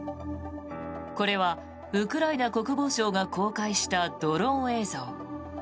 これはウクライナ国防省が公開したドローン映像。